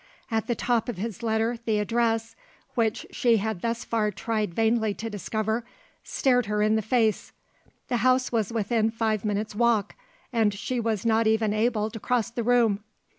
At the top of his letter the address, which she had thus far tried vainly to discover, stared her in the face: the house was within five minutes' walk and she was not even able to cross the room!